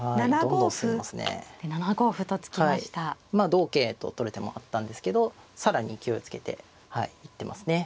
同桂と取る手もあったんですけど更に勢いをつけて行ってますね。